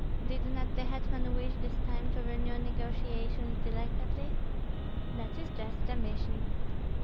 Did not the hetman wish this time to renew negotiations delicately?" "That is just the mission."